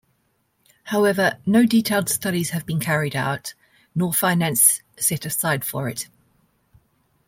However no detailed studies have been carried out nor finance set aside for it.